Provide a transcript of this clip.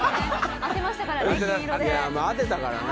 当てたからな。